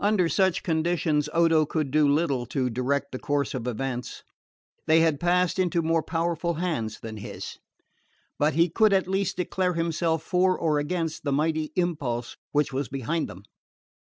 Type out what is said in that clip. Under such conditions Odo could do little to direct the course of events. They had passed into more powerful hands than his. But he could at least declare himself for or against the mighty impulse which was behind them.